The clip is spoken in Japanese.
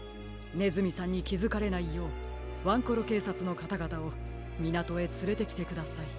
ねずみさんにきづかれないようワンコロけいさつのかたがたをみなとへつれてきてください。